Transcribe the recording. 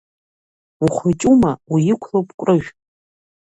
Ухәыҷума, уиқәлоуп Кәрыжә.